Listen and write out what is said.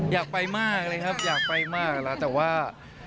อยากไปมากเลยครับอยากไปมากแล้วแต่ว่า